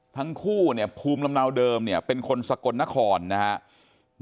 ทั้งคู่เนี่ยภูมิลำเนาเดิมเนี่ยเป็นคนสกลนครนะครับ